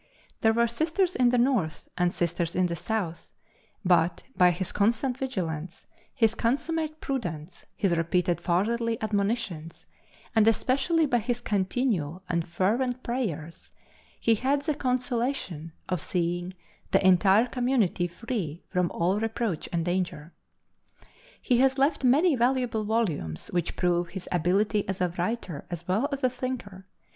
There were Sisters in the North and Sisters in the South, but, by his constant vigilance, his consummate prudence, his repeated fatherly admonitions, and especially by his continual and fervent prayers, he had the consolation of seeing the entire Community free from all reproach and danger. He has left many valuable volumes which prove his ability as a writer as well as a thinker.